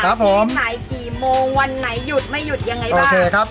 ขาวที่ไหนกี่โมงวันไหนหยุดไม่หยุดยังไงบ้าง